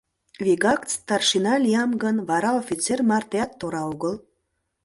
Вигак старшина лиям гын, вара офицер мартеат тора огыл.